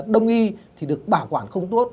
đông y thì được bảo quản không tốt